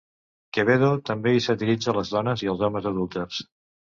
Quevedo també hi satiritza les dones i els homes adúlters.